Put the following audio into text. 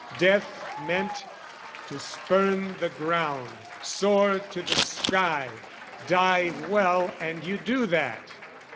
Death meant, to spurn the ground, Soar to the sky, die well and you do that.